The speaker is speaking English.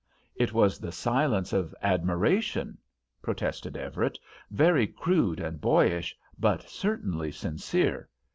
"It was the silence of admiration," protested Everett, "very crude and boyish, but certainly sincere.